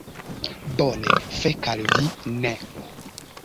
Bone, fek al vi. Ne.